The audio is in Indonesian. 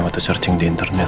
waktu searching di internet